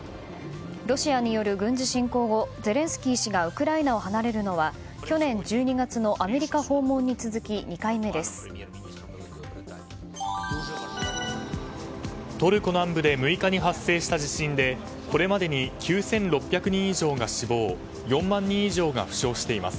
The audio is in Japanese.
ロシアによる軍事侵攻後ゼレンスキー氏がウクライナを離れるのは去年１２月のアメリカ訪問に続き２回目です。